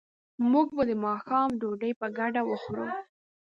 موږ به د ماښام ډوډۍ په ګډه وخورو